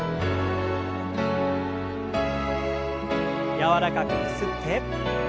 柔らかくゆすって。